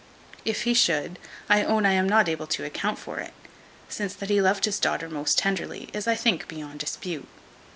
If he should, I own I am not able to account for it; since that he loved his daughter most tenderly, is, I think, beyond dispute.